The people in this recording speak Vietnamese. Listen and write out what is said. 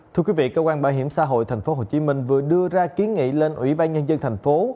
thưa quý vị cơ quan bảo hiểm xã hội tp hcm vừa đưa ra kiến nghị lên ủy ban nhân dân thành phố